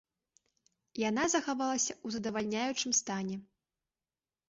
Яна захавалася ў задавальняючым стане.